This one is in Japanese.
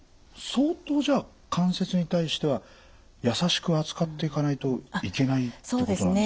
相当じゃあ関節に対しては優しく扱っていかないといけないってことなんですかね？